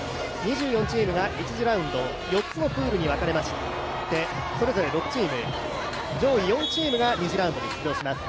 ２４チームが１次ラウンド、４つのＰＯＯＬに分かれましてそれぞれ６チーム上位４チームが２次ラウンドに出場します。